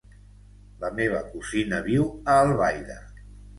La meva cosina viu a Albaida.